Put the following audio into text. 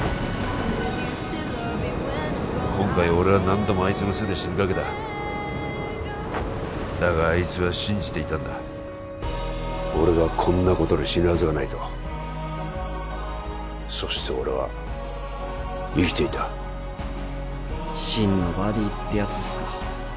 今回俺は何度もあいつのせいで死にかけただがあいつは信じていたんだ俺がこんなことで死ぬはずがないとそして俺は生きていた真のバディってやつっすか